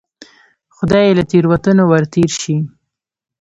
خدای یې له تېروتنو ورتېر شي.